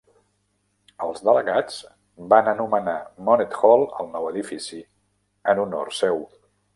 Els delegats van anomenar Monnett Hall el nou edifici en honor seu.